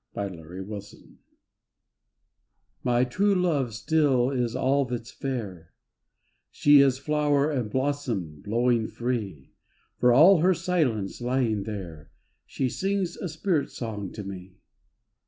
THE RESURRECTION My true love still is all that's fair, She is flower and blossom blowing free, For all her silence lying there She sings a spirit song to me.